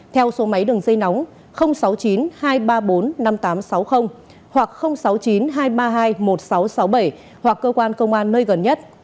theo số máy đường dây nóng sáu mươi chín hai trăm ba mươi bốn năm nghìn tám trăm sáu mươi hoặc sáu mươi chín hai trăm ba mươi hai một nghìn sáu trăm sáu mươi bảy hoặc cơ quan công an nơi gần nhất